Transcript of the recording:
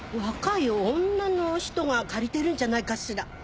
若い女の人が借りてるんじゃないかしら？